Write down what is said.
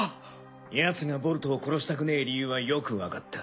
ヤツがボルトを殺したくねえ理由はよくわかった。